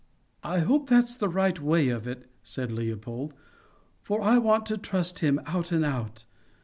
"I hope that's the right way of it," said Leopold, "for I want to trust him out and out.